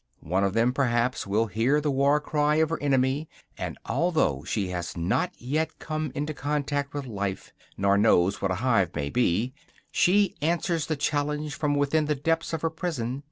One of them perhaps will hear the war cry of her enemy; and although she has not yet come into contact with life, nor knows what a hive may be, she answers the challenge from within the depths of her prison.